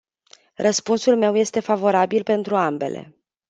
Răspunsul meu este favorabil pentru ambele.